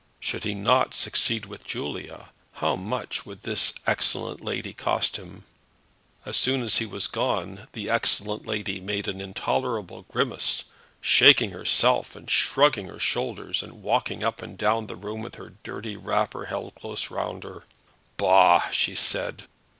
Should he not succeed with Julia, how much would this excellent lady cost him? As soon as he was gone the excellent lady made an intolerable grimace, shaking herself and shrugging her shoulders, and walking up and down the room with her dirty wrapper held close round her. "Bah," she said.